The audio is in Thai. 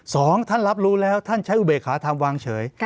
สองท่านรับรู้แล้วท่านใช้อุเบกขาทำวางเฉย